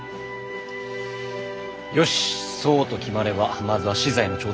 よしそうと決まればまずは資材の調達を。